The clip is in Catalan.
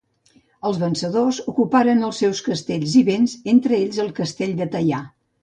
Els vencedors ocuparen els seus castells i béns, entre ells el castell de Taià.